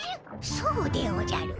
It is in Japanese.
そうでおじゃる。